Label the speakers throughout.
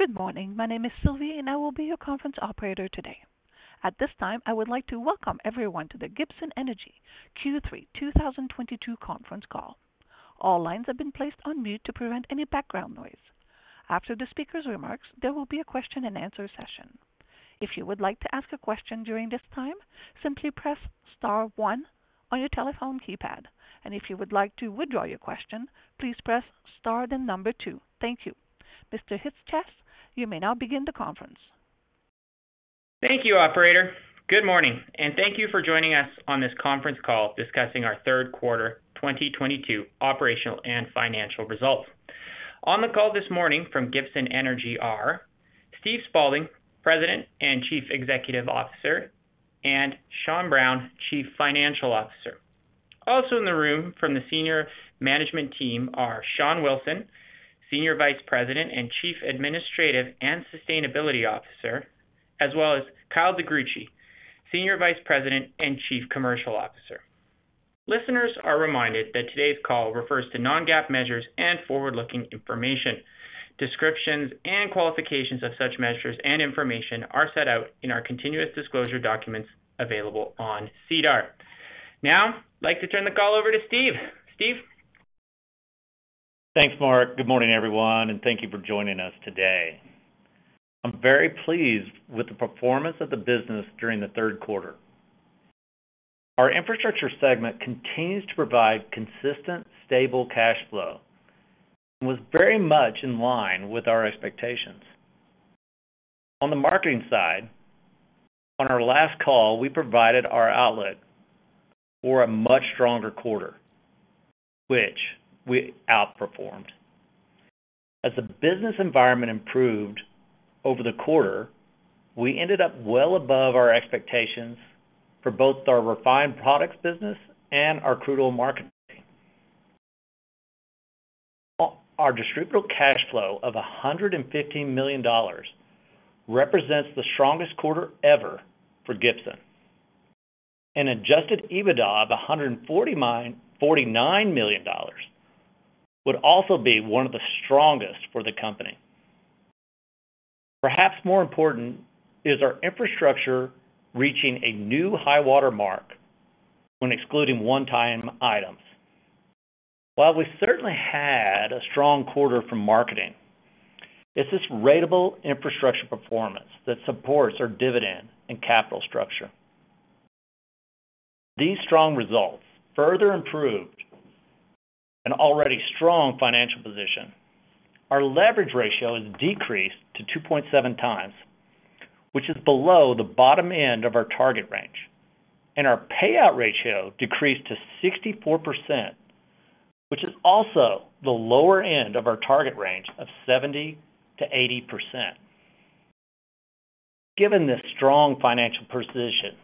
Speaker 1: Good morning. My name is Sylvia, and I will be your conference operator today. At this time, I would like to welcome everyone to the Gibson Energy third quarter 2022 conference call. All lines have been placed on mute to prevent any background noise. After the speaker's remarks, there will be a question and answer session. If you would like to ask a question during this time, simply press star one on your telephone keypad. If you would like to withdraw your question, please press star then number two. Thank you. Mr. Hicks, you may now begin the conference.
Speaker 2: Thank you, operator. Good morning, and thank you for joining us on this conference call discussing our third quarter 2022 operational and financial results. On the call this morning from Gibson Energy are Steve Spaulding, President and Chief Executive Officer, and Sean Brown, Chief Financial Officer. Also in the room from the senior management team are Sean Wilson, Senior Vice President and Chief Administrative and Sustainability Officer, as well as Kyle DeGruchy, Senior Vice President and Chief Commercial Officer. Listeners are reminded that today's call refers to non-GAAP measures and forward-looking information. Descriptions and qualifications of such measures and information are set out in our continuous disclosure documents available on SEDAR. Now, I'd like to turn the call over to Steve. Steve?
Speaker 3: Thanks, Mark. Good morning, everyone, and thank you for joining us today. I'm very pleased with the performance of the business during the third quarter. Our infrastructure segment continues to provide consistent, stable cash flow and was very much in line with our expectations. On the marketing side, on our last call, we provided our outlook for a much stronger quarter, which we outperformed. As the business environment improved over the quarter, we ended up well above our expectations for both our refined products business and our crude oil marketing. Our distributable cash flow of 115 million dollars represents the strongest quarter ever for Gibson. An adjusted EBITDA of 149.49 million dollars would also be one of the strongest for the company. Perhaps more important is our infrastructure reaching a new high-water mark when excluding one-time items. While we certainly had a strong quarter from marketing, it's this ratable infrastructure performance that supports our dividend and capital structure. These strong results further improved an already strong financial position. Our leverage ratio has decreased to 2.7x, which is below the bottom end of our target range. Our payout ratio decreased to 64%, which is also the lower end of our target range of 70%-80%. Given this strong financial position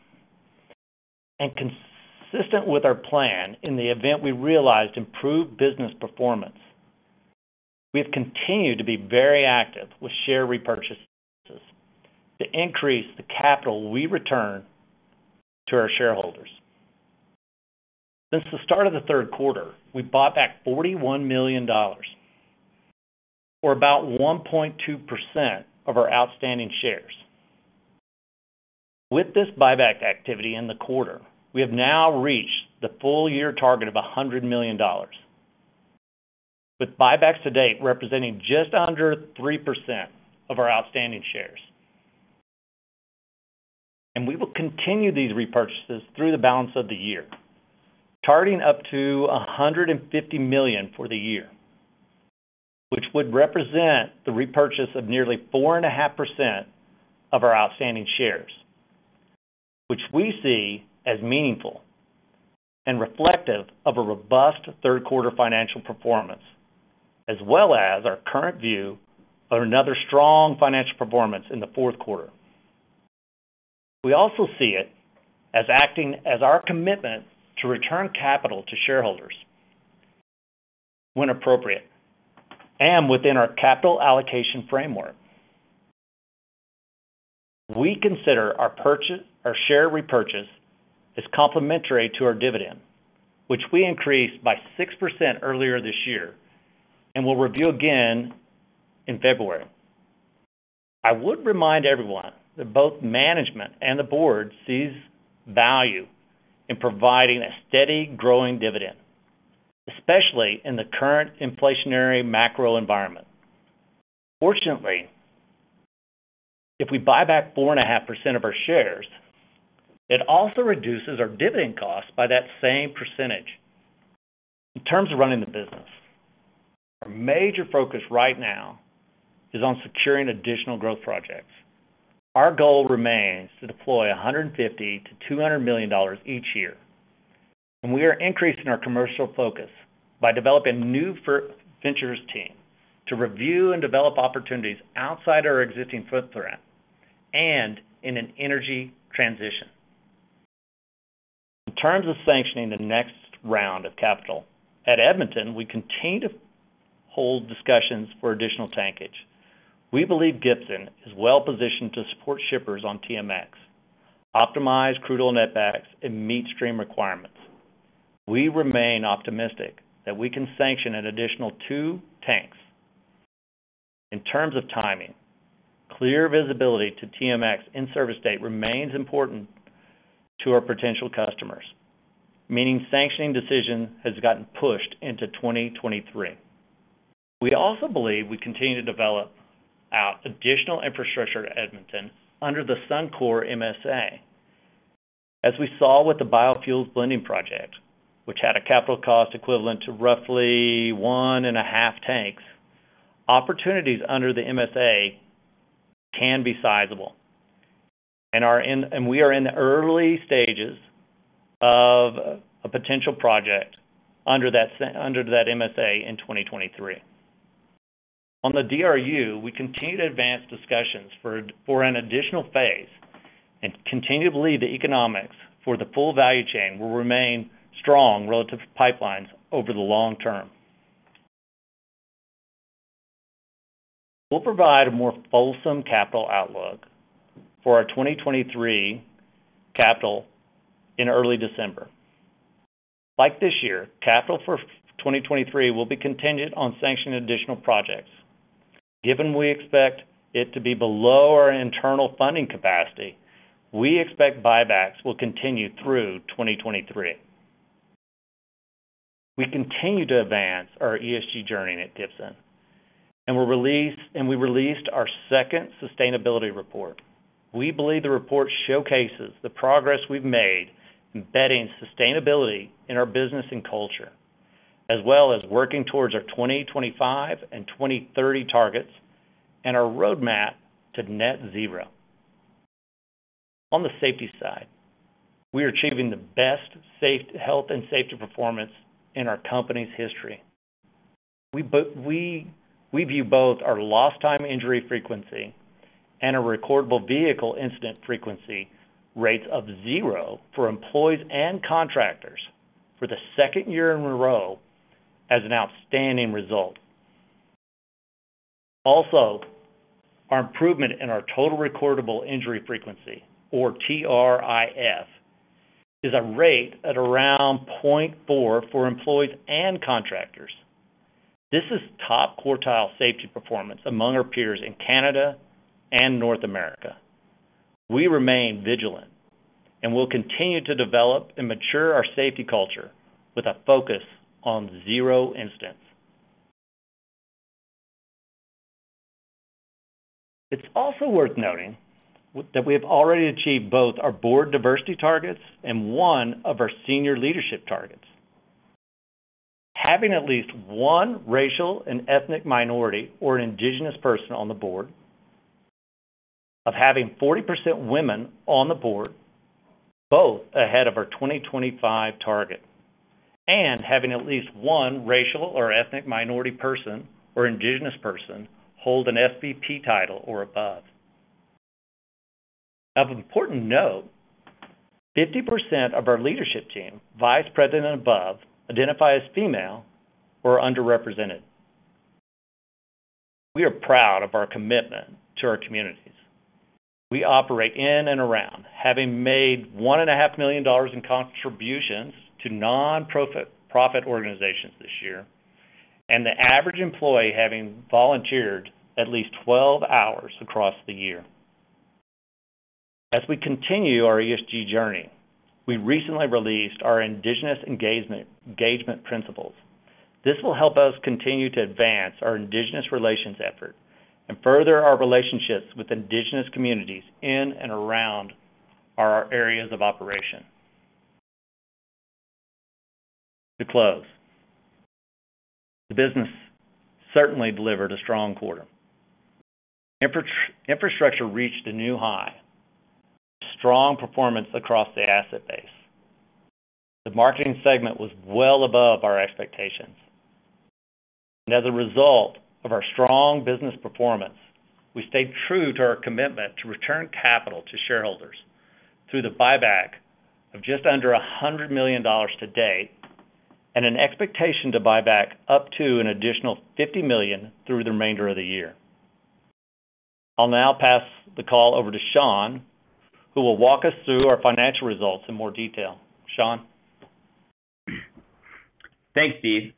Speaker 3: and consistent with our plan in the event we realized improved business performance, we have continued to be very active with share repurchases to increase the capital we return to our shareholders. Since the start of the third quarter, we bought back 41 million dollars, or about 1.2% of our outstanding shares. With this buyback activity in the quarter, we have now reached the full-year target of 100 million dollars. With buybacks to date representing just under 3% of our outstanding shares. We will continue these repurchases through the balance of the year, targeting up to 150 million for the year, which would represent the repurchase of nearly 4.5% of our outstanding shares, which we see as meaningful and reflective of a robust third quarter financial performance, as well as our current view of another strong financial performance in the fourth quarter. We also see it as acting as our commitment to return capital to shareholders when appropriate and within our capital allocation framework. We consider our share repurchase as complementary to our dividend, which we increased by 6% earlier this year and will review again in February. I would remind everyone that both management and the board sees value in providing a steady, growing dividend, especially in the current inflationary macro environment. Fortunately, if we buy back 4.5% of our shares, it also reduces our dividend cost by that same percentage. In terms of running the business, our major focus right now is on securing additional growth projects. Our goal remains to deploy 150 million-200 million dollars each year. We are increasing our commercial focus by developing new future ventures team to review and develop opportunities outside our existing footprint and in an energy transition. In terms of sanctioning the next round of capital, at Edmonton, we continue to hold discussions for additional tankage. We believe Gibson is well-positioned to support shippers on TMX, optimize crude oil netbacks and midstream requirements. We remain optimistic that we can sanction an additional two tanks. In terms of timing, clear visibility to TMX in-service date remains important to our potential customers, meaning sanctioning decision has gotten pushed into 2023. We also believe we continue to develop our additional infrastructure to Edmonton under the Suncor MSA. As we saw with the Biofuels Blending Project, which had a capital cost equivalent to roughly one and a half tanks, opportunities under the MSA can be sizable, and we are in the early stages of a potential project under that MSA in 2023. On the DRU, we continue to advance discussions for an additional phase and continue to believe the economics for the full value chain will remain strong relative to pipelines over the long term. We'll provide a more fulsome capital outlook for our 2023 capital in early December. Like this year, capital for 2023 will be contingent on sanctioning additional projects. Given we expect it to be below our internal funding capacity, we expect buybacks will continue through 2023. We continue to advance our ESG journey at Gibson, and we released our second sustainability report. We believe the report showcases the progress we've made embedding sustainability in our business and culture, as well as working towards our 2025 and 2030 targets and our roadmap to net zero. On the safety side, we are achieving the best health and safety performance in our company's history. We view both our lost time injury frequency and our recordable vehicle incident frequency rates of 0 for employees and contractors for the second year in a row as an outstanding result. Also, our improvement in our total recordable injury frequency or TRIF is a rate at around 0.4 for employees and contractors. This is top quartile safety performance among our peers in Canada and North America. We remain vigilant, and we'll continue to develop and mature our safety culture with a focus on 0 incidents. It's also worth noting that we have already achieved both our board diversity targets and one of our senior leadership targets. Having at least one racial and ethnic minority or indigenous person on the board, of having 40% women on the board, both ahead of our 2025 target, and having at least one racial or ethnic minority person or indigenous person hold an SVP title or above. Of important note, 50% of our leadership team, vice president above, identify as female or underrepresented. We are proud of our commitment to our communities. We operate in and around, having made 1.5 million dollars in contributions to nonprofit organizations this year, and the average employee having volunteered at least 12 hours across the year. As we continue our ESG journey, we recently released our indigenous engagement principles. This will help us continue to advance our indigenous relations effort and further our relationships with indigenous communities in and around our areas of operation. To close, the business certainly delivered a strong quarter. Infrastructure reached a new high with strong performance across the asset base. The marketing segment was well above our expectations. As a result of our strong business performance, we stayed true to our commitment to return capital to shareholders through the buyback of just under 100 million dollars to date and an expectation to buy back up to an additional 50 million through the remainder of the year. I'll now pass the call over to Sean, who will walk us through our financial results in more detail. Sean?
Speaker 4: Thanks, Steve.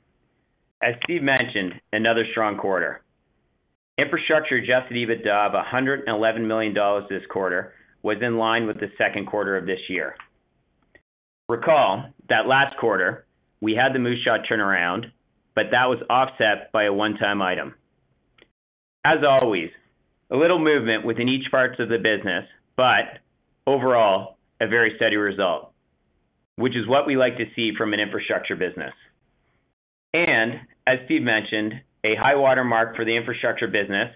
Speaker 4: As Steve mentioned, another strong quarter. Infrastructure adjusted EBITDA of 111 million dollars this quarter was in line with the second quarter of this year. Recall that last quarter, we had the Moose Jaw turnaround, but that was offset by a one-time item. As always, a little movement within each parts of the business, but overall, a very steady result, which is what we like to see from an infrastructure business. As Steve mentioned, a high-water mark for the infrastructure business,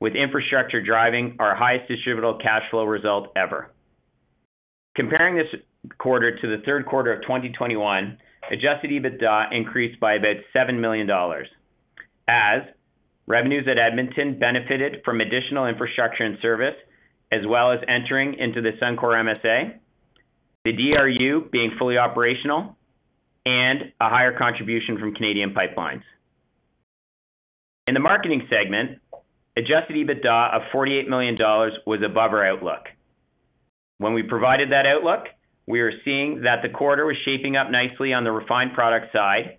Speaker 4: with infrastructure driving our highest distributable cash flow result ever. Comparing this quarter to the third quarter of 2021, adjusted EBITDA increased by about 7 million dollars as revenues at Edmonton benefited from additional infrastructure and service, as well as entering into the Suncor MSA, the DRU being fully operational, and a higher contribution from Canadian pipelines. In the marketing segment, adjusted EBITDA of 48 million dollars was above our outlook. When we provided that outlook, we were seeing that the quarter was shaping up nicely on the refined product side,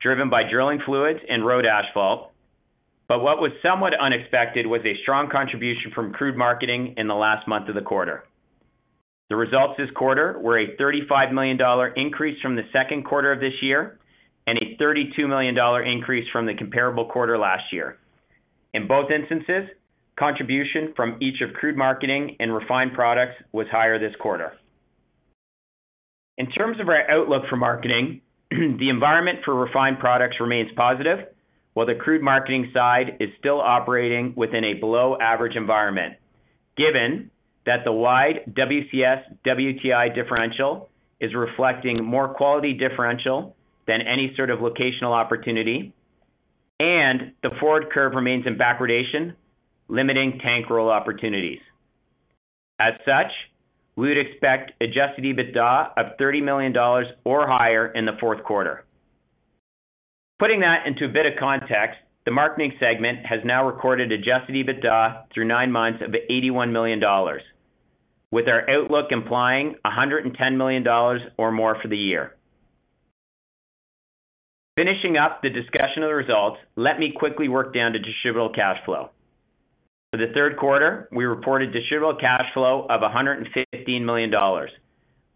Speaker 4: driven by drilling fluids and road asphalt. What was somewhat unexpected was a strong contribution from crude marketing in the last month of the quarter. The results this quarter were a 35 million dollar increase from the second quarter of this year and a 32 million dollar increase from the comparable quarter last year. In both instances, contribution from each of crude marketing and refined products was higher this quarter. In terms of our outlook for marketing, the environment for refined products remains positive, while the crude marketing side is still operating within a below-average environment. Given that the wide WCS-WTI differential is reflecting more quality differential than any sort of locational opportunity, and the forward curve remains in backwardation, limiting tank roll opportunities. As such, we would expect adjusted EBITDA of 30 million dollars or higher in the fourth quarter. Putting that into a bit of context, the marketing segment has now recorded adjusted EBITDA through nine months of 81 million dollars, with our outlook implying 110 million dollars or more for the year. Finishing up the discussion of the results, let me quickly work down to distributable cash flow. For the third quarter, we reported distributable cash flow of 115 million dollars,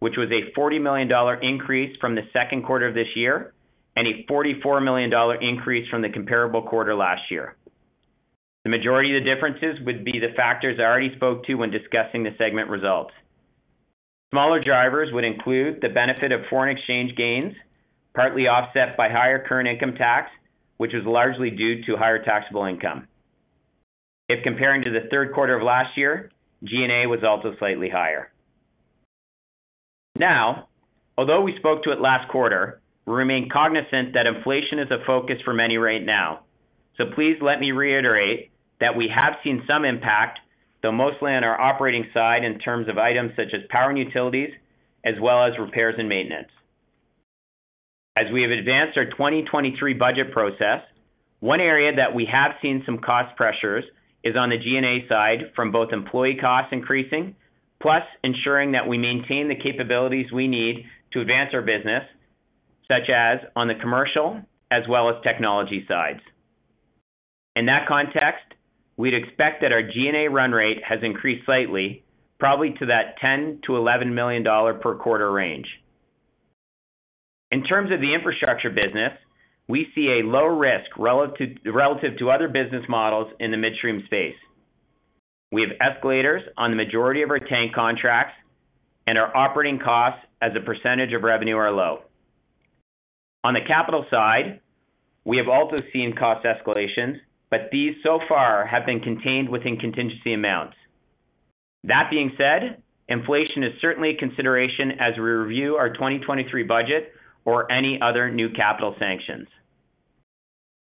Speaker 4: which was a 40 million dollar increase from the second quarter of this year and a 44 million dollar increase from the comparable quarter last year. The majority of the differences would be the factors I already spoke to when discussing the segment results. Smaller drivers would include the benefit of foreign exchange gains, partly offset by higher current income tax, which was largely due to higher taxable income. If comparing to the third quarter of last year, G&A was also slightly higher. Now, although we spoke to it last quarter, we remain cognizant that inflation is a focus for many right now. Please let me reiterate that we have seen some impact, though mostly on our operating side in terms of items such as power and utilities as well as repairs and maintenance. As we have advanced our 2023 budget process, one area that we have seen some cost pressures is on the G&A side from both employee costs increasing, plus ensuring that we maintain the capabilities we need to advance our business, such as on the commercial as well as technology sides. In that context, we'd expect that our G&A run rate has increased slightly, probably to that 10 million-11 million dollar per quarter range. In terms of the infrastructure business, we see a low risk relative to other business models in the midstream space. We have escalators on the majority of our tank contracts and our operating costs as a percentage of revenue are low. On the capital side, we have also seen cost escalations, but these so far have been contained within contingency amounts. That being said, inflation is certainly a consideration as we review our 2023 budget or any other new capital sanctions.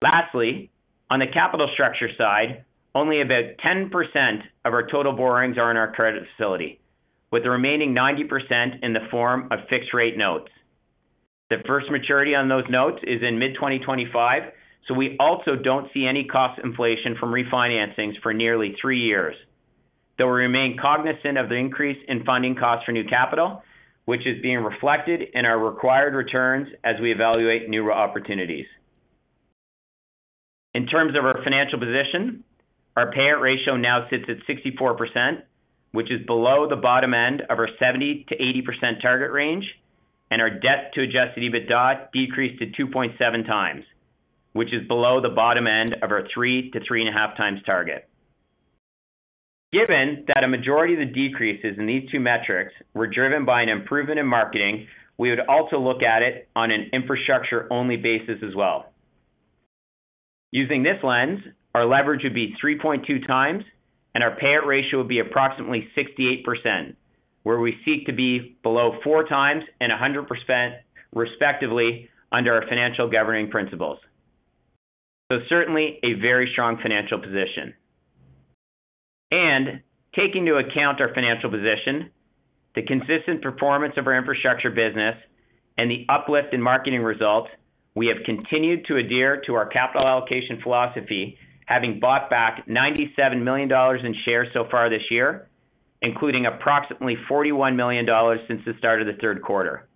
Speaker 4: Lastly, on the capital structure side, only about 10% of our total borrowings are in our credit facility, with the remaining 90% in the form of fixed rate notes. The first maturity on those notes is in mid-2025, so we also don't see any cost inflation from refinancings for nearly three years. Though we remain cognizant of the increase in funding costs for new capital, which is being reflected in our required returns as we evaluate new opportunities. In terms of our financial position, our payout ratio now sits at 64%, which is below the bottom end of our 70%-80% target range, and our debt to adjusted EBITDA decreased to 2.7x, which is below the bottom end of our 3x-3.5x target. Given that a majority of the decreases in these two metrics were driven by an improvement in marketing, we would also look at it on an infrastructure-only basis as well. Using this lens, our leverage would be 3.2x and our payout ratio would be approximately 68%, where we seek to be below 4x and 100% respectively under our financial governing principles. Certainly a very strong financial position. Taking into account our financial position, the consistent performance of our infrastructure business, and the uplift in marketing results, we have continued to adhere to our capital allocation philosophy, having bought back 97 million dollars in shares so far this year, including approximately 41 million dollars since the start of the third quarter.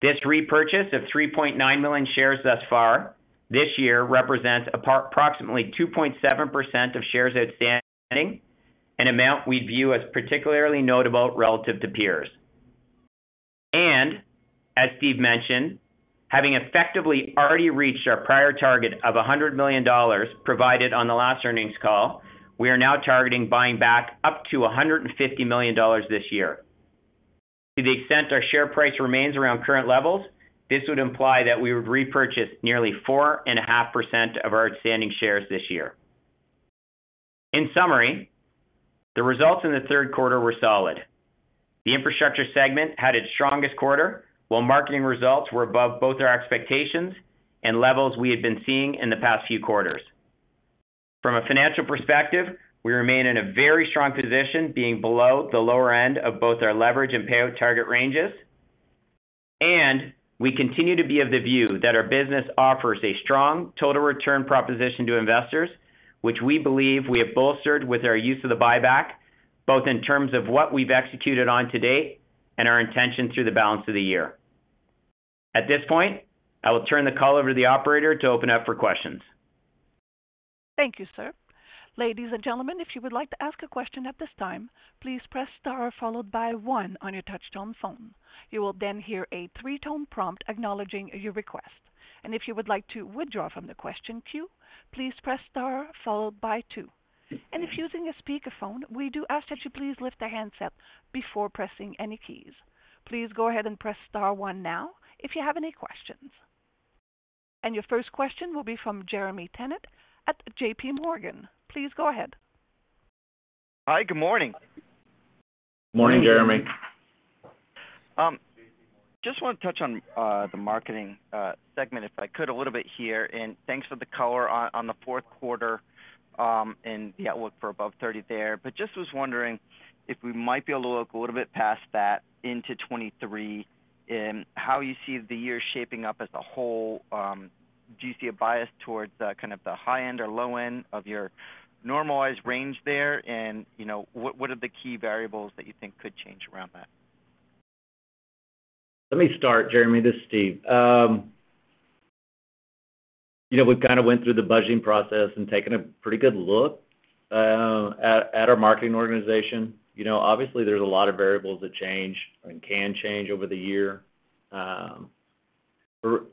Speaker 4: This repurchase of 3.9 million shares thus far this year represents approximately 2.7% of shares outstanding, an amount we view as particularly notable relative to peers. As Steve mentioned, having effectively already reached our prior target of 100 million dollars provided on the last earnings call, we are now targeting buying back up to 150 million dollars this year. To the extent our share price remains around current levels, this would imply that we would repurchase nearly 4.5% of our outstanding shares this year. In summary, the results in the third quarter were solid. The infrastructure segment had its strongest quarter, while marketing results were above both our expectations and levels we had been seeing in the past few quarters. From a financial perspective, we remain in a very strong position, being below the lower end of both our leverage and payout target ranges. We continue to be of the view that our business offers a strong total return proposition to investors, which we believe we have bolstered with our use of the buyback, both in terms of what we've executed on to date and our intention through the balance of the year. At this point, I will turn the call over to the operator to open up for questions.
Speaker 1: Thank you, sir. Ladies and gentlemen, if you would like to ask a question at this time, please press star followed by one on your touchtone phone. You will then hear a three-tone prompt acknowledging your request. If you would like to withdraw from the question queue, please press star followed by two. If using a speakerphone, we do ask that you please lift the handset before pressing any keys. Please go ahead and press star one now if you have any questions. Your first question will be from Jeremy Tonet at JPMorgan. Please go ahead.
Speaker 5: Hi. Good morning.
Speaker 4: Morning, Jeremy.
Speaker 5: Just want to touch on the marketing segment, if I could, a little bit here. Thanks for the color on the fourth quarter and the outlook for above 30 there. Just was wondering if we might be able to look a little bit past that into 2023 and how you see the year shaping up as a whole. Do you see a bias towards kind of the high end or low end of your normalized range there? You know, what are the key variables that you think could change around that?
Speaker 3: Let me start, Jeremy. This is Steve. You know, we've kind of went through the budgeting process and taken a pretty good look at our marketing organization. You know, obviously there's a lot of variables that change and can change over the year. You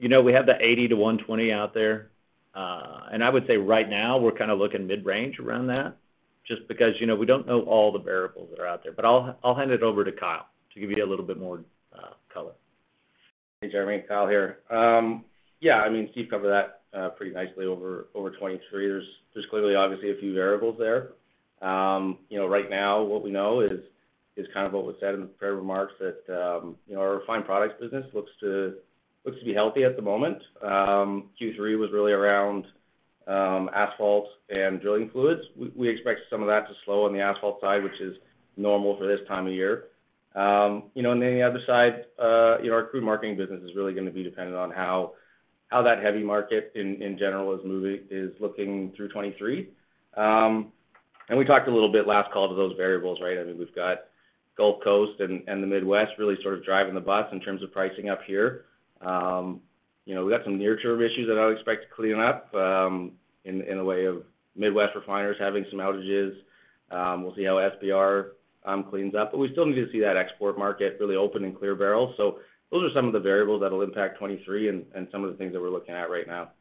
Speaker 3: know, we have the 80 million-120 million out there. I would say right now we're kind of looking mid-range around that just because, you know, we don't know all the variables that are out there. I'll hand it over to Kyle to give you a little bit more color.
Speaker 6: Hey, Jeremy. Kyle here. Yeah, I mean, Steve covered that pretty nicely over 2023. There's clearly obviously a few variables there. You know, right now what we know is kind of what was said in the prepared remarks that, you know, our refined products business looks to be healthy at the moment. Q3 was really around asphalt and drilling fluids. We expect some of that to slow on the asphalt side, which is normal for this time of year. You know, and then the other side, you know, our crude marketing business is really gonna be dependent on how that heavy market in general is moving, looking through 2023. We talked a little bit last call to those variables, right? I mean, we've got Gulf Coast and the Midwest really sort of driving the bus in terms of pricing up here. You know, we've got some near-term issues that I would expect to clean up in the way of Midwest refiners having some outages. We'll see how SPR cleans up. We still need to see that export market really open and clear barrels. Those are some of the variables that'll impact 2023 and some of the things that we're looking at right now.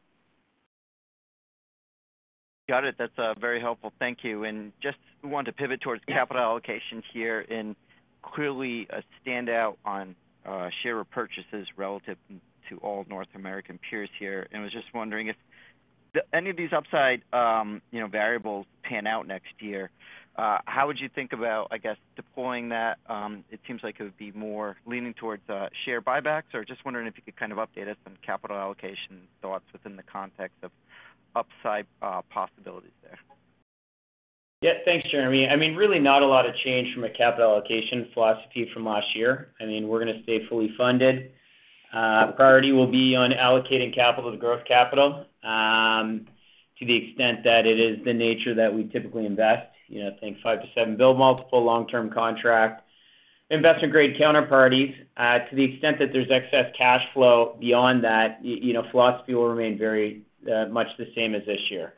Speaker 5: Got it. That's very helpful. Thank you. Just wanted to pivot towards capital allocation here and clearly a standout on share repurchases relative to all North American peers here. Was just wondering if any of these upside variables pan out next year, how would you think about, I guess, deploying that? It seems like it would be more leaning towards share buybacks, or just wondering if you could kind of update us on capital allocation thoughts within the context of upside possibilities there.
Speaker 4: Yeah. Thanks, Jeremy. I mean, really not a lot of change from a capital allocation philosophy from last year. I mean, we're gonna stay fully funded. Priority will be on allocating capital to growth capital, to the extent that it is the nature that we typically invest. You know, think 5x-7x EBITDA multiple long-term contracts, investment-grade counterparties. To the extent that there's excess cash flow beyond that, you know, philosophy will remain very much the same as this year.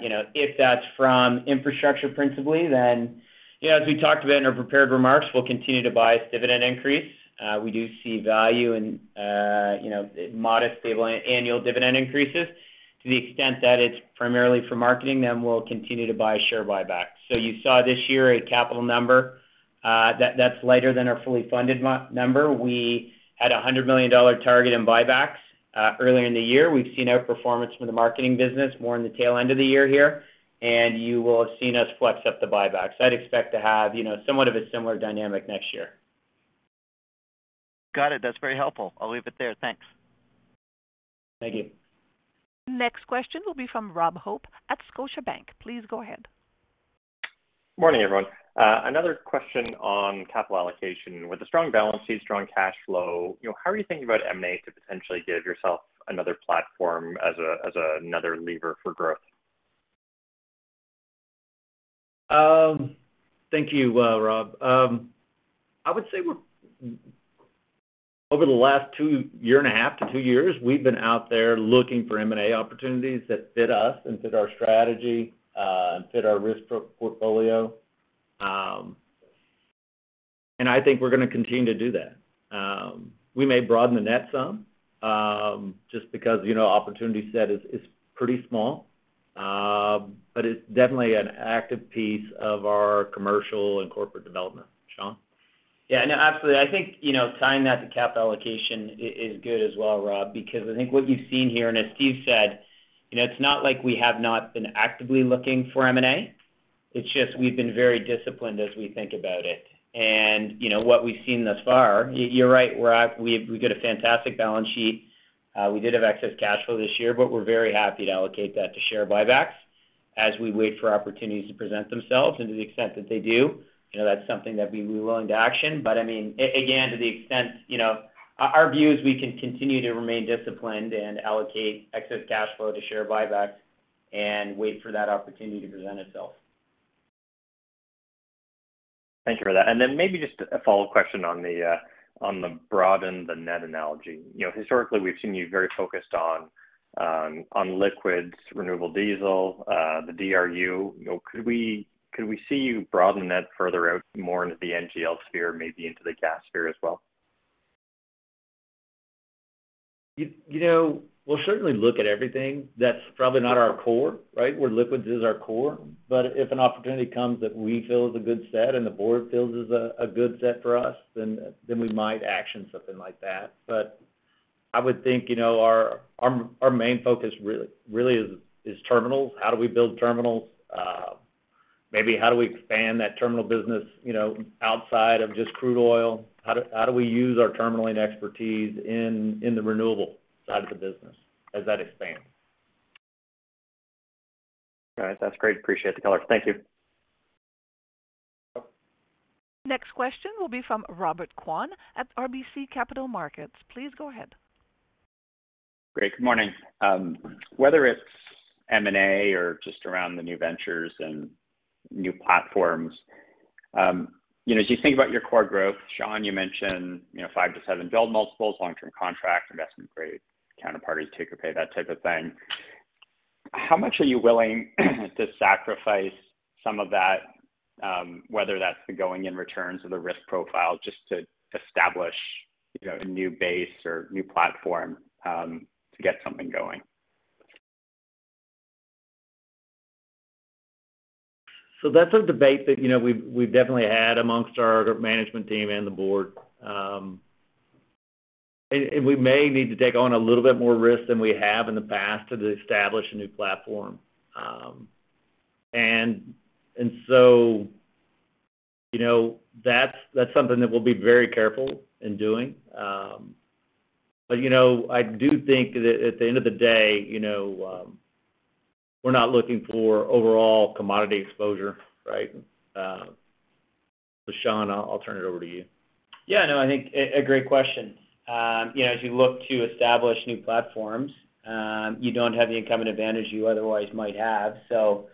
Speaker 4: You know, if that's from infrastructure principally, then, you know, as we talked about in our prepared remarks, we'll continue to buy dividend increases. We do see value in, you know, modest stable annual dividend increases. To the extent that it's primarily for marketing, then we'll continue to buy share buybacks. You saw this year a capital number, that's lighter than our fully funded number. We had a 100 million dollar target in buybacks earlier in the year. We've seen outperformance from the marketing business more in the tail end of the year here, and you will have seen us flex up the buybacks. I'd expect to have somewhat of a similar dynamic next year.
Speaker 5: Got it. That's very helpful. I'll leave it there. Thanks.
Speaker 4: Thank you.
Speaker 1: Next question will be from Robert Hope at Scotiabank. Please go ahead.
Speaker 7: Morning, everyone. Another question on capital allocation. With a strong balance sheet, strong cash flow, you know, how are you thinking about M&A to potentially give yourself another platform as another lever for growth?
Speaker 3: Thank you, Rob. I would say over the last two year and a half to two years, we've been out there looking for M&A opportunities that fit us and fit our strategy, and fit our risk portfolio. I think we're gonna continue to do that. We may broaden the net some, just because, you know, opportunity set is pretty small. It's definitely an active piece of our commercial and corporate development. Sean?
Speaker 4: Yeah. No, absolutely. I think, you know, tying that to capital allocation is good as well, Rob, because I think what you've seen here, and as Steve said, you know, it's not like we have not been actively looking for M&A. It's just we've been very disciplined as we think about it. You know, what we've seen thus far, you're right, we've got a fantastic balance sheet. We did have excess cash flow this year, but we're very happy to allocate that to share buybacks as we wait for opportunities to present themselves. To the extent that they do, you know, that's something that we'll be willing to action. I mean, again, to the extent, you know, our view is we can continue to remain disciplined and allocate excess cash flow to share buybacks and wait for that opportunity to present itself.
Speaker 7: Thank you for that. Maybe just a follow-up question on the broaden the net analogy. You know, historically, we've seen you very focused on liquids, renewable diesel, the DRU. You know, could we see you broaden that further out more into the NGL sphere, maybe into the gas sphere as well?
Speaker 3: You know, we'll certainly look at everything. That's probably not our core, right? Where liquids is our core. But if an opportunity comes that we feel is a good fit and the board feels is a good fit for us, then we might action something like that. But I would think, you know, our main focus really is terminals. How do we build terminals? Maybe how do we expand that terminal business, you know, outside of just crude oil? How do we use our terminaling expertise in the renewable side of the business as that expands?
Speaker 7: All right. That's great. Appreciate the color. Thank you.
Speaker 4: Welcome.
Speaker 1: Next question will be from Robert Kwan at RBC Capital Markets. Please go ahead.
Speaker 8: Great. Good morning. Whether it's M&A or just around the new ventures and new platforms, you know, as you think about your core growth, Sean, you mentioned, you know, 5x-7x build multiples, long-term contracts, investment-grade counterparties, take or pay, that type of thing. How much are you willing to sacrifice some of that, whether that's the going in returns or the risk profile, just to establish, you know, a new base or new platform, to get something going?
Speaker 3: That's a debate that, you know, we've definitely had amongst our management team and the board. We may need to take on a little bit more risk than we have in the past to establish a new platform. You know, that's something that we'll be very careful in doing. You know, I do think that at the end of the day, you know, we're not looking for overall commodity exposure, right? Sean, I'll turn it over to you.
Speaker 4: Yeah, no. I think a great question. You know, as you look to establish new platforms, you don't have the incumbent advantage you otherwise might have. So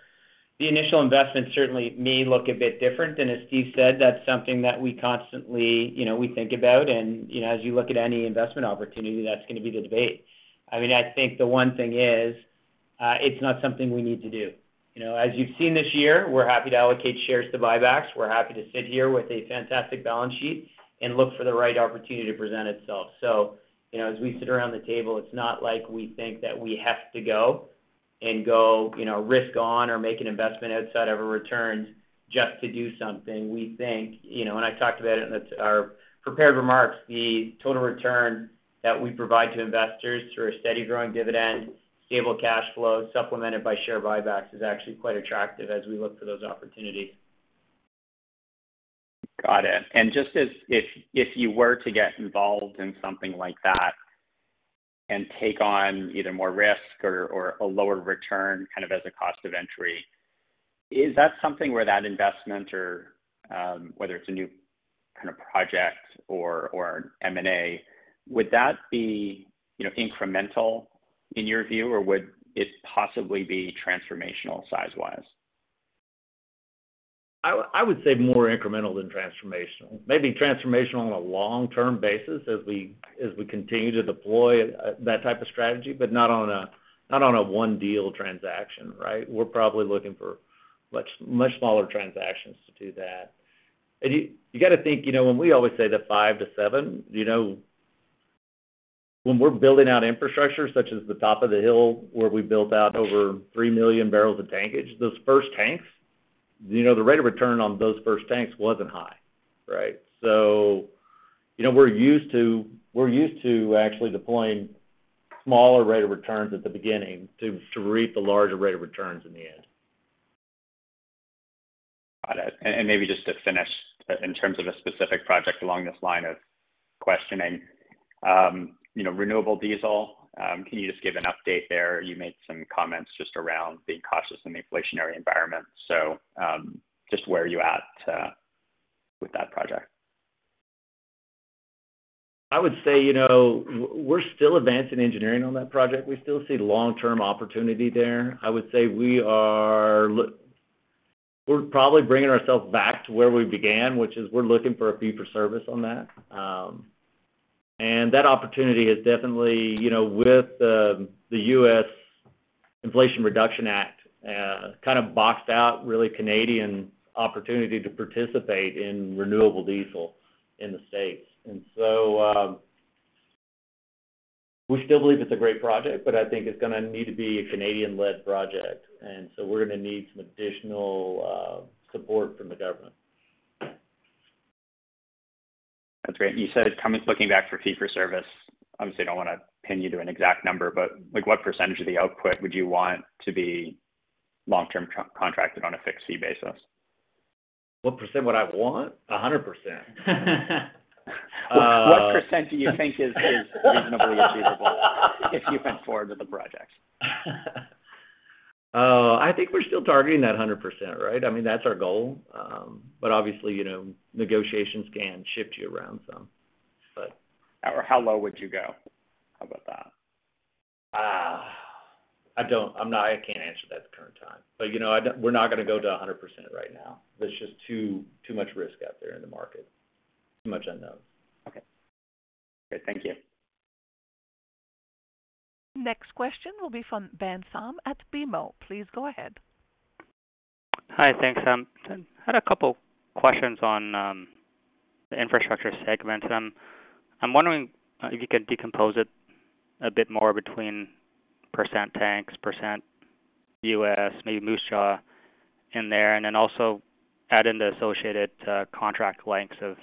Speaker 4: the initial investment certainly may look a bit different. As Steve said, that's something that we constantly, you know, we think about. You know, as you look at any investment opportunity, that's gonna be the debate. I mean, I think the one thing is, it's not something we need to do. You know, as you've seen this year, we're happy to allocate shares to buybacks. We're happy to sit here with a fantastic balance sheet and look for the right opportunity to present itself. you know, as we sit around the table, it's not like we think that we have to go and go, you know, risk on or make an investment outside of a return just to do something. We think, you know, and I talked about it in our prepared remarks, the total return that we provide to investors through a steady growing dividend, stable cash flow, supplemented by share buybacks, is actually quite attractive as we look for those opportunities.
Speaker 8: Got it. If you were to get involved in something like that and take on either more risk or a lower return kind of as a cost of entry, is that something where that investment or whether it's a new kind of project or M&A, would that be, you know, incremental in your view, or would it possibly be transformational size-wise?
Speaker 3: I would say more incremental than transformational. Maybe transformational on a long-term basis as we continue to deploy that type of strategy, but not on a one-deal transaction, right? We're probably looking for much smaller transactions to do that. You gotta think, you know, when we always say the five to seven, you know, when we're building out infrastructure such as the Top of the Hill, where we built out over 3 million barrels of tankage, those first tanks, you know, the rate of return on those first tanks wasn't high, right? You know, we're used to actually deploying smaller rate of return at the beginning to reap the larger rate of return in the end.
Speaker 8: Got it. Maybe just to finish in terms of a specific project along this line of questioning, you know, renewable diesel, can you just give an update there? You made some comments just around being cautious in the inflationary environment. Just where are you at with that project?
Speaker 3: I would say, you know, we're still advancing engineering on that project. We still see long-term opportunity there. I would say we're probably bringing ourselves back to where we began, which is we're looking for a fee for service on that. That opportunity has definitely, you know, with the U.S. Inflation Reduction Act, kind of boxed out really Canadian opportunity to participate in renewable diesel in the States. We still believe it's a great project, but I think it's gonna need to be a Canadian-led project, and so we're gonna need some additional support from the government.
Speaker 8: That's great. You said looking back for fee for service, obviously, I don't wanna pin you to an exact number, but like what percentage of the output would you want to be long-term contracted on a fixed fee basis?
Speaker 3: What % would I want? 100%.
Speaker 8: What % do you think is reasonably achievable if you went forward with the project?
Speaker 3: I think we're still targeting that 100%, right? I mean, that's our goal. Obviously, you know, negotiations can shift you around some, but.
Speaker 8: How low would you go? How about that?
Speaker 3: I can't answer that at the current time. You know, we're not gonna go to 100% right now. There's just too much risk out there in the market. Too much unknowns.
Speaker 8: Okay. Great. Thank you.
Speaker 1: Next question will be from Ben Pham at BMO. Please go ahead.
Speaker 9: Hi. Thanks. Had a couple questions on the infrastructure segment. I'm wondering if you could decompose it a bit more between percent tanks, percent U.S., maybe Moose Jaw in there, and then also add in the associated contract lengths of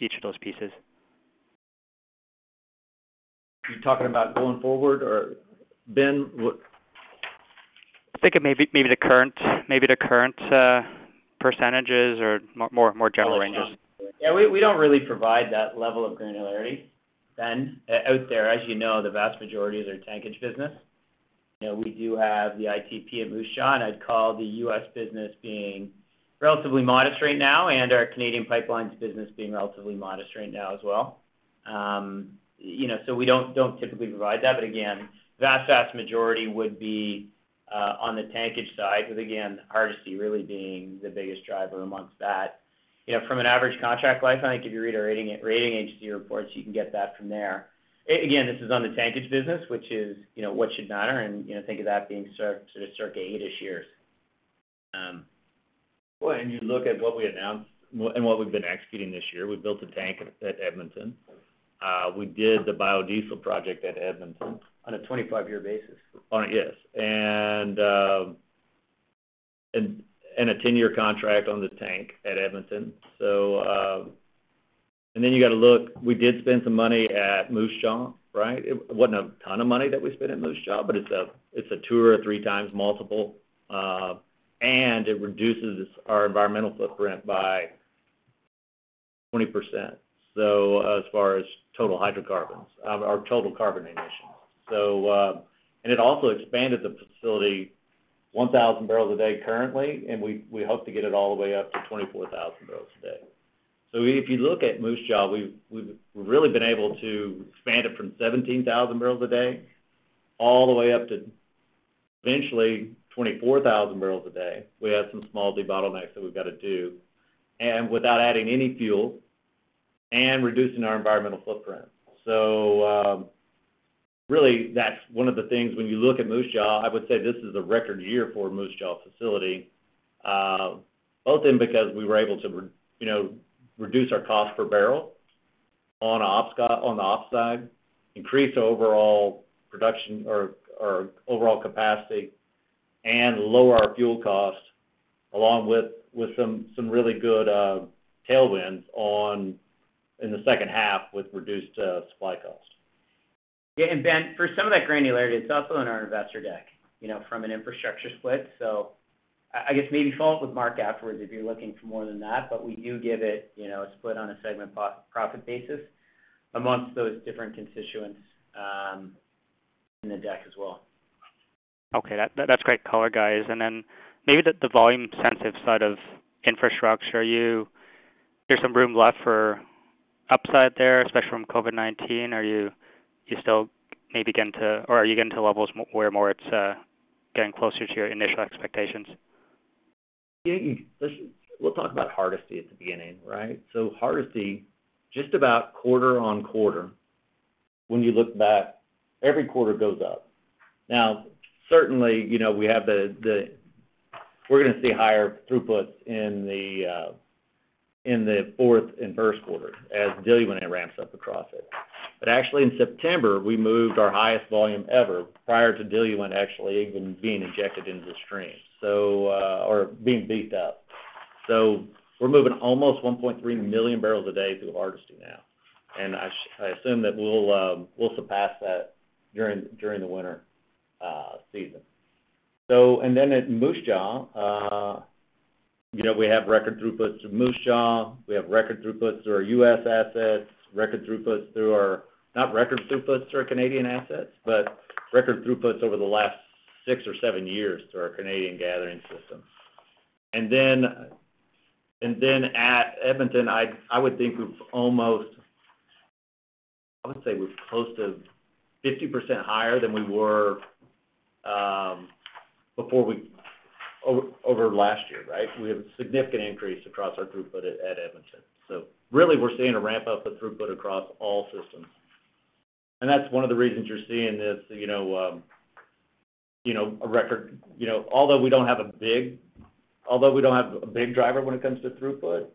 Speaker 9: each of those pieces?
Speaker 3: You talking about going forward or Ben, what?
Speaker 9: I'm thinking maybe the current percentages or more general ranges.
Speaker 4: Yeah. We don't really provide that level of granularity, Ben. Out there, as you know, the vast majority of their tankage business. You know, we do have the ITP at Moose Jaw, and I'd call the U.S. business being relatively modest right now, and our Canadian pipelines business being relatively modest right now as well. You know, so we don't typically provide that. But again, vast majority would be on the tankage side with, again, Hardisty really being the biggest driver among that. You know, from an average contract life, I think if you read a rating agency reports, you can get that from there. Again, this is on the tankage business, which is, you know, what should matter, and, you know, think of that being sort of circa eight-ish years.
Speaker 3: Well, you look at what we announced and what we've been executing this year. We built a tank at Edmonton. We did the biodiesel project at Edmonton.
Speaker 4: On a 25-year basis.
Speaker 3: Oh, yes. A 10-year contract on the tank at Edmonton. Then you gotta look, we did spend some money at Moose Jaw, right? It wasn't a ton of money that we spent at Moose Jaw, but it's a two or three times multiple, and it reduces our environmental footprint by 20%. As far as total hydrocarbons, our total carbon emissions. It also expanded the facility 1,000 barrels a day currently, and we hope to get it all the way up to 24,000 barrels a day. If you look at Moose Jaw, we've really been able to expand it from 17,000 barrels a day all the way up to eventually 24,000 barrels a day. We have some small debottlenecks that we've gotta do, and without adding any fuel and reducing our environmental footprint. Really that's one of the things when you look at Moose Jaw. I would say this is a record year for Moose Jaw facility, both because we were able to you know, reduce our cost per barrel on the operations side, increase overall production or overall capacity, and lower our fuel costs along with some really good tailwinds in the second half with reduced supply costs.
Speaker 4: Yeah. Ben, for some of that granularity, it's also in our investor deck, you know, from an infrastructure split. I guess maybe follow up with Mark afterwards if you're looking for more than that, but we do give it, you know, a split on a segment pro-profit basis amongst those different constituents, in the deck as well.
Speaker 9: Okay. That's great color, guys. Maybe the volume sensitive side of infrastructure. There's some room left for upside there, especially from COVID-19. Do you still maybe getting to or are you getting to levels where more it's getting closer to your initial expectations?
Speaker 3: Yeah. We'll talk about Hardisty at the beginning, right? Hardisty, just about quarter-over-quarter, when you look back, every quarter goes up. Now, certainly, you know, we're gonna see higher throughputs in the fourth and first quarter as diluent ramps up across it. Actually in September, we moved our highest volume ever prior to diluent actually even being injected into the stream. Or being beefed up. We're moving almost 1.3 million barrels a day through Hardisty now. I assume that we'll surpass that during the winter season. At Moose Jaw, you know, we have record throughputs through Moose Jaw. We have record throughputs through our U.S. assets, record throughputs through our. Record throughputs through our Canadian assets, but record throughputs over the last six or seven years through our Canadian gathering system. Then at Edmonton, I would say we're close to 50% higher than we were over last year, right? We have a significant increase across our throughput at Edmonton. Really, we're seeing a ramp up of throughput across all systems. That's one of the reasons you're seeing this, you know, a record. You know, although we don't have a big driver when it comes to throughput,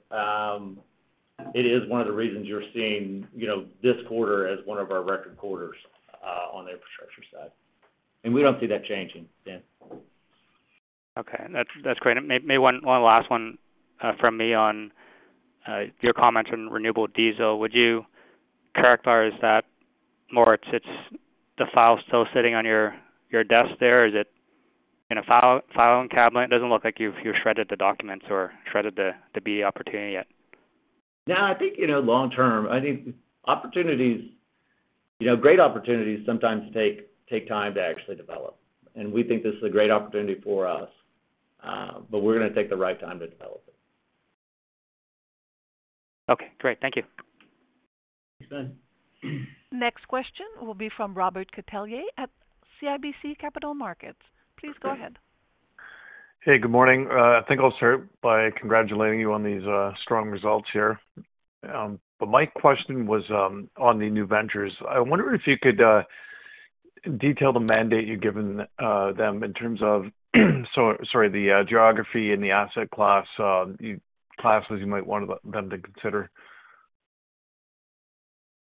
Speaker 3: it is one of the reasons you're seeing, you know, this quarter as one of our record quarters on the infrastructure side. We don't see that changing, Ben.
Speaker 9: Okay. That's great. Maybe one last one from me on your comments on renewable diesel. Would you characterize that more? It's the file still sitting on your desk there? Is it in a filing cabinet? It doesn't look like you've shredded the documents or shredded the big opportunity yet.
Speaker 3: No, I think, you know, long term, I think opportunities, you know, great opportunities sometimes take time to actually develop, and we think this is a great opportunity for us. We're gonna take the right time to develop it.
Speaker 9: Okay, great. Thank you.
Speaker 3: Thanks, Ben.
Speaker 1: Next question will be from Robert Catellier at CIBC Capital Markets. Please go ahead.
Speaker 10: Hey, good morning. I think I'll start by congratulating you on these strong results here. My question was on the new ventures. I wonder if you could detail the mandate you've given them in terms of the geography and the asset classes you might want them to consider.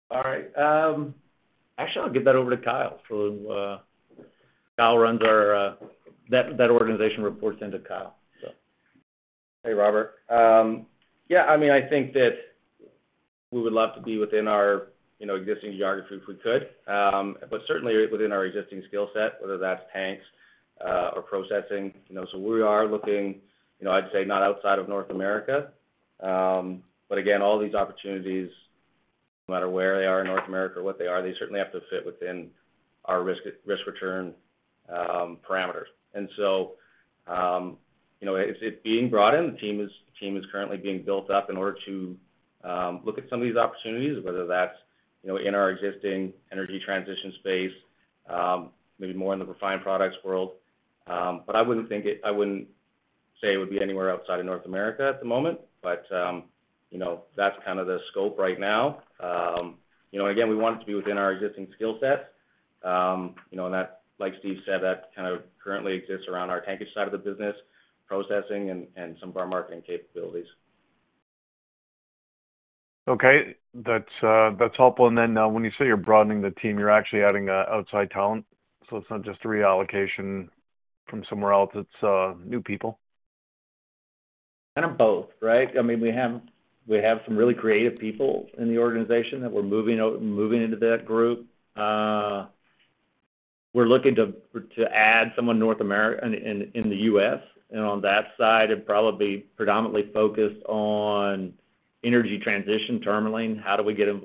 Speaker 3: All right. Actually, I'll give that over to Kyle. Kyle runs our that organization reports into Kyle, so.
Speaker 6: Hey, Robert. Yeah, I mean, I think that we would love to be within our, you know, existing geography if we could. But certainly within our existing skill set, whether that's tanks, or processing, you know. We are looking, you know, I'd say not outside of North America, but again, all these opportunities, no matter where they are in North America or what they are, they certainly have to fit within our risk-return parameters. You know, it's being brought in. The team is currently being built up in order to look at some of these opportunities, whether that's, you know, in our existing energy transition space, maybe more in the refined products world. But I wouldn't say it would be anywhere outside of North America at the moment. You know, that's kind of the scope right now. You know, again, we want it to be within our existing skill sets. You know, and that, like Steve said, that kind of currently exists around our tankage side of the business, processing and some of our marketing capabilities.
Speaker 10: Okay. That's helpful. When you say you're broadening the team, you're actually adding outside talent? It's not just a reallocation from somewhere else, it's new people?
Speaker 3: Kind of both, right? I mean, we have some really creative people in the organization that we're moving into that group. We're looking to add someone in the U.S. and on that side and probably predominantly focused on energy transition terminalling. How do we get a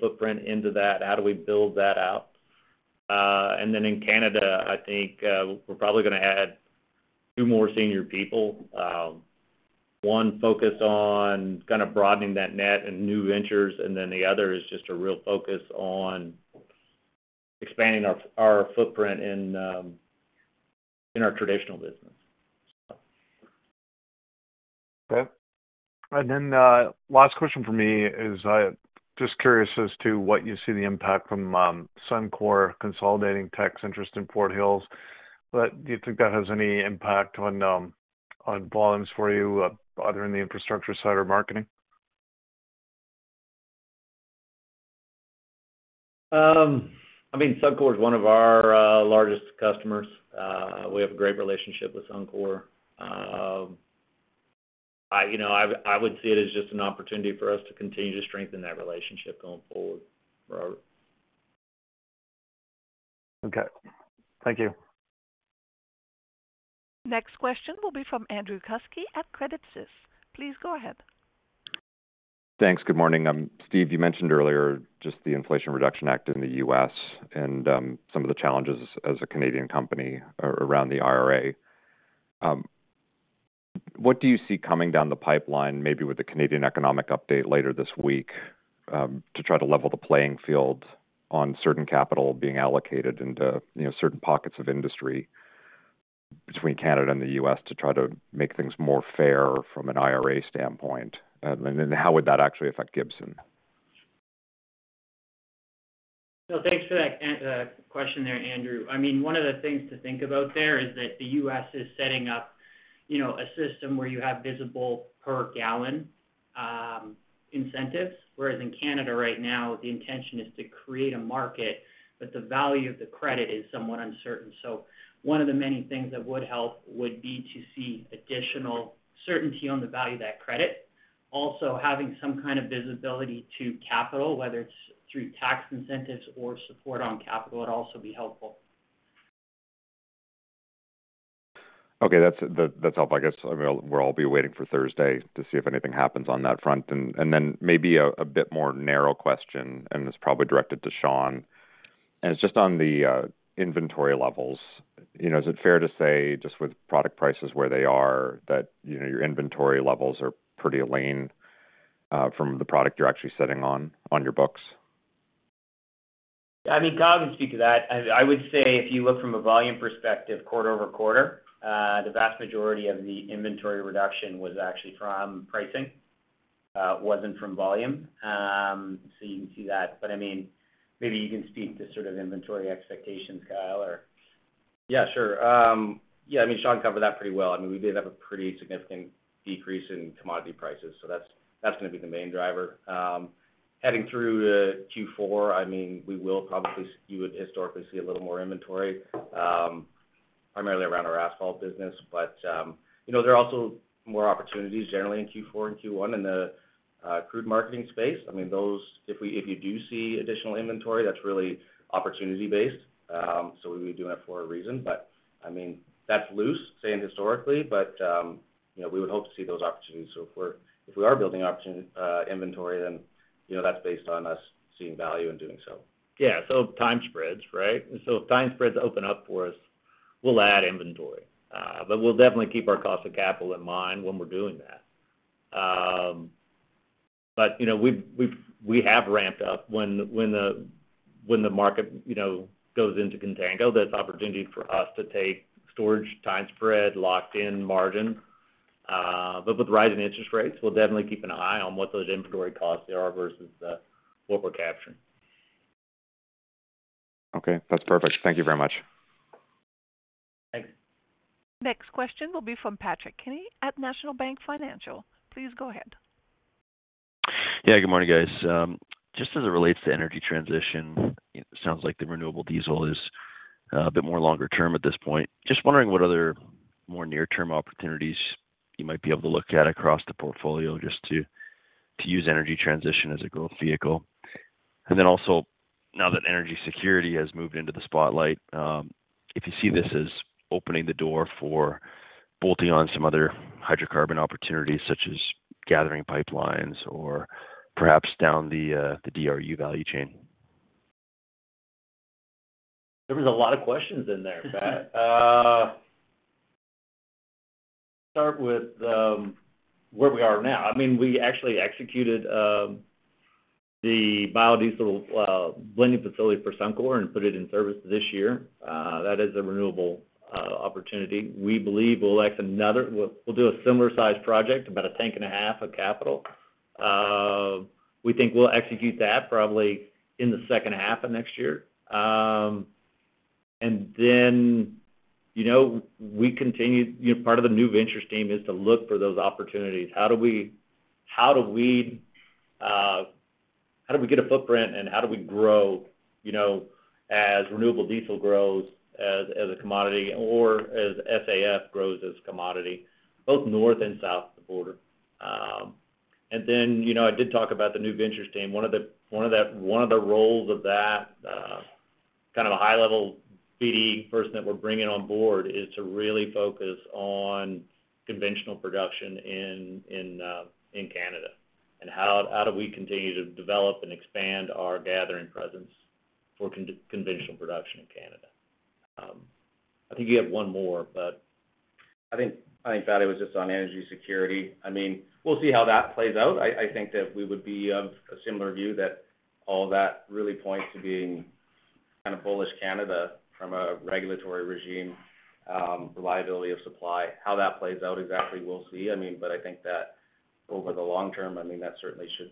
Speaker 3: footprint into that? How do we build that out? In Canada, I think, we're probably gonna add two more senior people. One focused on kind of broadening that net and new ventures, and then the other is just a real focus on expanding our footprint in our traditional business.
Speaker 10: Okay. Last question from me is just curious as to what you see the impact from Suncor consolidating Teck's interest in Fort Hills. Do you think that has any impact on volumes for you either in the infrastructure side or marketing?
Speaker 3: I mean, Suncor is one of our largest customers. We have a great relationship with Suncor. You know, I would see it as just an opportunity for us to continue to strengthen that relationship going forward, Robert.
Speaker 10: Okay. Thank you.
Speaker 1: Next question will be from Andrew Kuske at Credit Suisse. Please go ahead.
Speaker 11: Thanks. Good morning. Steve, you mentioned earlier just the Inflation Reduction Act in the U.S. and some of the challenges as a Canadian company around the IRA. What do you see coming down the pipeline, maybe with the Canadian economic update later this week, to try to level the playing field on certain capital being allocated into, you know, certain pockets of industry between Canada and the U.S. to try to make things more fair from an IRA standpoint? Then how would that actually affect Gibson?
Speaker 4: Thanks for that question there, Andrew. I mean, one of the things to think about there is that the US is setting up, you know, a system where you have visible per gallon incentives, whereas in Canada right now, the intention is to create a market, but the value of the credit is somewhat uncertain. One of the many things that would help would be to see additional certainty on the value of that credit. Also, having some kind of visibility to capital, whether it's through tax incentives or support on capital, would also be helpful.
Speaker 11: Okay. That's helpful. I guess we'll all be waiting for Thursday to see if anything happens on that front. Then maybe a bit more narrow question, and it's probably directed to Sean, and it's just on the inventory levels. You know, is it fair to say, just with product prices where they are that, you know, your inventory levels are pretty lean, from the product you're actually sitting on your books?
Speaker 4: I mean, Kyle can speak to that. I would say if you look from a volume perspective quarter-over-quarter, the vast majority of the inventory reduction was actually from pricing. It wasn't from volume. You can see that. I mean, maybe you can speak to sort of inventory expectations, Kyle, or.
Speaker 6: Yeah, sure. Yeah, I mean, Sean covered that pretty well. I mean, we did have a pretty significant decrease in commodity prices, so that's gonna be the main driver. Heading through Q4, I mean, you would historically see a little more inventory, primarily around our asphalt business. You know, there are also more opportunities generally in Q4 and Q1 in the crude marketing space. I mean, those, if you do see additional inventory, that's really opportunity-based. So we'd be doing it for a reason. I mean, that's loosely saying historically, but you know, we would hope to see those opportunities. If we are building inventory, then you know, that's based on us seeing value in doing so.
Speaker 3: Yeah. Time spreads, right? If time spreads open up for us, we'll add inventory. We'll definitely keep our cost of capital in mind when we're doing that. You know, we have ramped up when the market, you know, goes into contango. That's opportunity for us to take storage time spread, locked-in margin. With rising interest rates, we'll definitely keep an eye on what those inventory costs are versus what we're capturing.
Speaker 11: Okay, that's perfect. Thank you very much.
Speaker 3: Thanks.
Speaker 1: Next question will be from Patrick Kenny at National Bank Financial. Please go ahead.
Speaker 12: Yeah, good morning, guys. Just as it relates to energy transition, it sounds like the renewable diesel is a bit more longer term at this point. Just wondering what other more near-term opportunities you might be able to look at across the portfolio just to use energy transition as a growth vehicle. Then also, now that energy security has moved into the spotlight, if you see this as opening the door for bolting on some other hydrocarbon opportunities such as gathering pipelines or perhaps down the DRU value chain.
Speaker 3: There was a lot of questions in there, Pat. Start with where we are now. I mean, we actually executed the biodiesel blending facility for Suncor and put it in service this year. That is a renewable opportunity. We believe we'll select another. We'll do a similar size project, about a tank and a half of capital. We think we'll execute that probably in the second half of next year. You know, we continue. You know, part of the new ventures team is to look for those opportunities. How do we get a footprint and how do we grow, you know, as renewable diesel grows as a commodity or as SAF grows as a commodity, both north and south of the border. You know, I did talk about the new ventures team. One of the roles of that kind of a high-level BD person that we're bringing on board is to really focus on conventional production in Canada. How do we continue to develop and expand our gathering presence for conventional production in Canada. I think you have one more, but.
Speaker 6: I think, Pat, it was just on energy security. I mean, we'll see how that plays out. I think that we would be of a similar view that all that really points to being kind of bullish Canada from a regulatory regime, reliability of supply. How that plays out exactly, we'll see. I mean, I think that over the long term, I mean, that certainly should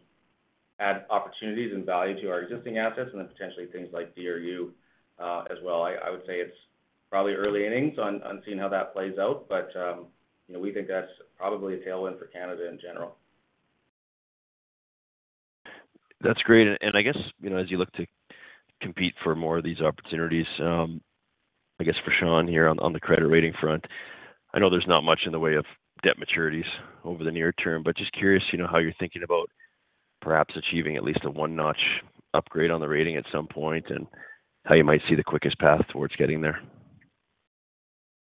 Speaker 6: add opportunities and value to our existing assets and then potentially things like DRU, as well. I would say it's probably early innings on seeing how that plays out, but you know, we think that's probably a tailwind for Canada in general.
Speaker 12: That's great. I guess, you know, as you look to compete for more of these opportunities, I guess for Sean here on the credit rating front, I know there's not much in the way of debt maturities over the near term, but just curious, you know, how you're thinking about perhaps achieving at least a one-notch upgrade on the rating at some point and how you might see the quickest path towards getting there?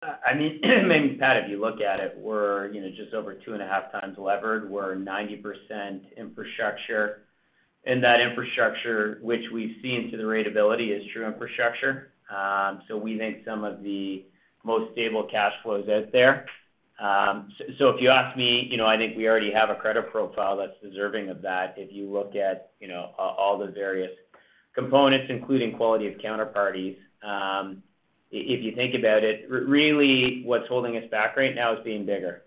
Speaker 4: I mean, Pat, if you look at it, we're, you know, just over 2.5x levered. We're 90% infrastructure. That infrastructure, which we've seen to the ratability, is true infrastructure. We think some of the most stable cash flows out there. If you ask me, you know, I think we already have a credit profile that's deserving of that. If you look at, you know, all the various components, including quality of counterparties, if you think about it, really what's holding us back right now is being bigger.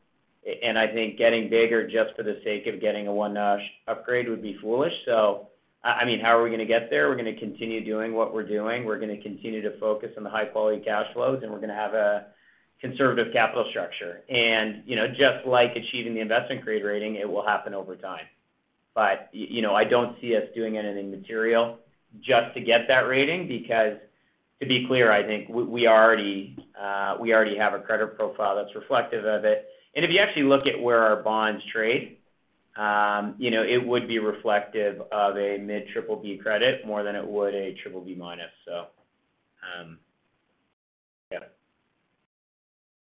Speaker 4: I think getting bigger just for the sake of getting a one-notch upgrade would be foolish. I mean, how are we gonna get there? We're gonna continue doing what we're doing. We're gonna continue to focus on the high-quality cash flows, and we're gonna have a conservative capital structure. You know, just like achieving the investment-grade rating, it will happen over time. You know, I don't see us doing anything material just to get that rating because to be clear, I think we already have a credit profile that's reflective of it. If you actually look at where our bonds trade, you know, it would be reflective of a mid-BBB credit more than it would a BBB-. Yeah.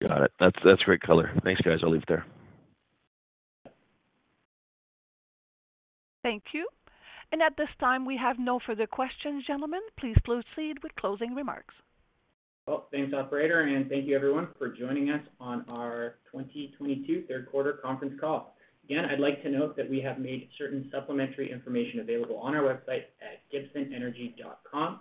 Speaker 12: Got it. That's great color. Thanks, guys. I'll leave it there.
Speaker 1: Thank you. At this time, we have no further questions. Gentlemen, please proceed with closing remarks.
Speaker 6: Well, thanks, operator, and thank you everyone for joining us on our 2022 third quarter conference call. Again, I'd like to note that we have made certain supplementary information available on our website at gibsonenergy.com.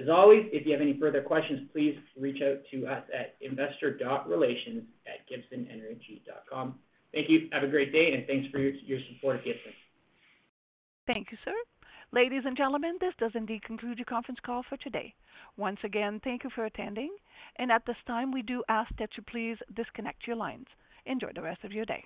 Speaker 6: As always, if you have any further questions, please reach out to us at investor.relations@gibsonenergy.com. Thank you. Have a great day, and thanks for your support of Gibson.
Speaker 1: Thank you, sir. Ladies and gentlemen, this does indeed conclude your conference call for today. Once again, thank you for attending. At this time, we do ask that you please disconnect your lines. Enjoy the rest of your day.